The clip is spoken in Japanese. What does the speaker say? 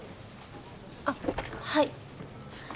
あっはい。